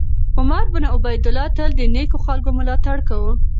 عمر بن عبیدالله تل د نېکو خلکو ملاتړ کاوه.